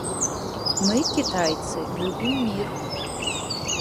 Мы, кітайцы, любім мір.